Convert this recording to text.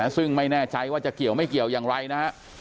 ซึ่งไม่แน่ใจว่าจะเกี่ยวไม่เกี่ยวอย่างไรนะฮะ